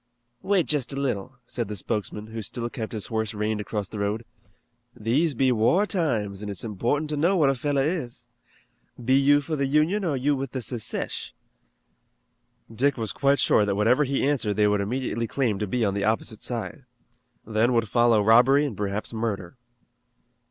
"Wait just a little," said the spokesman, who still kept his horse reined across the road. "These be war times an' it's important to know what a fellow is. Be you for the Union or are you with the Secesh?" Dick was quite sure that whatever he answered they would immediately claim to be on the opposite side. Then would follow robbery and perhaps murder.